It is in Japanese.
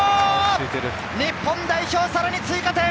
日本代表、さらに追加点！